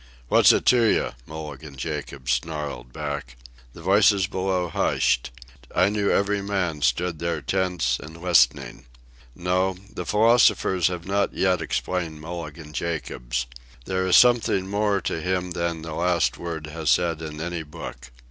"What's it to you?" Mulligan Jacobs snarled back. The voices below hushed. I knew every man stood there tense and listening. No; the philosophers have not yet explained Mulligan Jacobs. There is something more to him than the last word has said in any book.